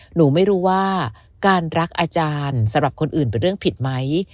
หนูไม่รู้ว่าการรักอาจารย์สำหรับคนอื่นเป็นเรื่องผิดไหม